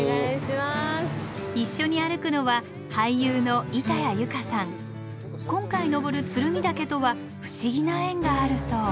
一緒に歩くのは今回登る鶴見岳とは不思議な縁があるそう。